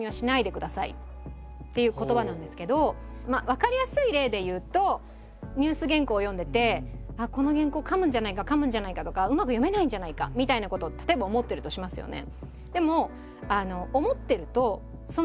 分かりやすい例で言うとニュース原稿を読んでてああこの原稿かむんじゃないかかむんじゃないかとかうまく読めないんじゃないかみたいなことを例えば思ってるとしますよね。